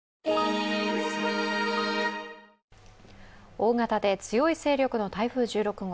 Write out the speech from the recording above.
大型で強い勢力の台風１６号。